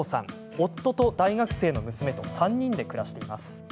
夫と大学生の娘と３人で暮らしています。